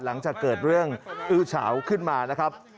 หลังจากเกิดเรื่องอื้อเฉาขึ้นมานะครับ